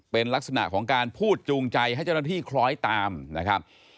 เป็นลักษณะของการพูดจูงใจให้เจ้าหน้าที่คล้อยตามนะครับ